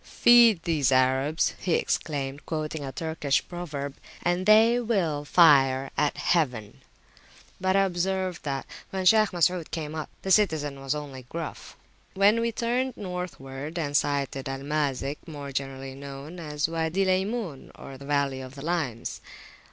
Feed these Arabs, he exclaimed, quoting a Turkish proverb, and [p.147] they will fire at Heaven! But I observed that, when Shaykh Masud came up, the citizen was only gruff. We then turned Northward, and sighted Al Mazik, more generally known as Wady Laymun, the Valley of Limes.